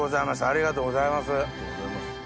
ありがとうございます。